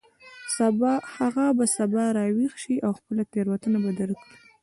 هغه به سبا راویښ شي او خپله تیروتنه به درک کړي